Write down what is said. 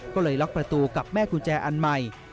ก็เลยล็อกประตูกับแม่กุญแจอันใหม่